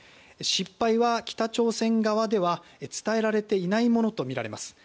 失敗は北朝鮮側では伝えられていないものとみられます。